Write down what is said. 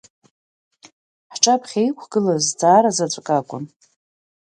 Ҳҿаԥхьа иқәгылаз зҵаара заҵәык акәын.